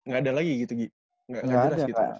gak ada lagi gitu giy